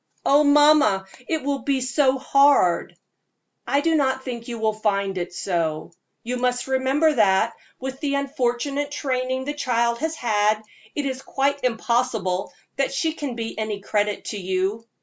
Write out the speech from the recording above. "Oh, mamma, it will be so hard!" "I do not think you will find it so. You must remember that, with the unfortunate training the child has had, it is quite impossible that she can be any credit to you.